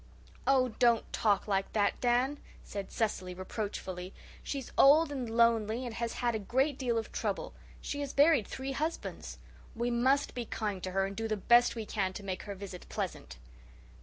"Oh, don't talk like that, Dan," said Cecily reproachfully. "She's old and lonely and has had a great deal of trouble. She has buried three husbands. We must be kind to her and do the best we can to make her visit pleasant."